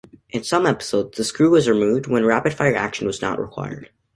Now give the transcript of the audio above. In some episodes, the screw was removed, when rapid-fire action was not required.